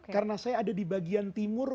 karena saya ada di bagian timur